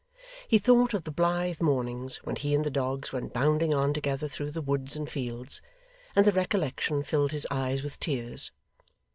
He thought of the blithe mornings when he and the dogs went bounding on together through the woods and fields; and the recollection filled his eyes with tears.